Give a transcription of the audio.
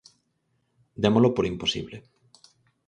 Démolo por imposible.